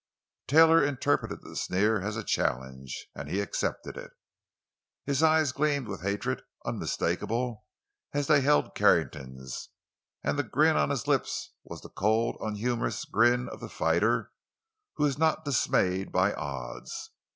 Taylor interpreted the sneer as a challenge, and he accepted it. His eyes gleamed with hatred unmistakable as they held Carrington's; and the grin on his lips was the cold, unhumorous grin of the fighter who is not dismayed by odds.